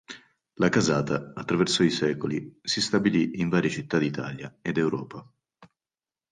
La casata attraverso i secoli si stabilì in varie città d'Italia e d'Europa.